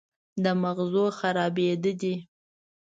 د مغزو خرابېده دي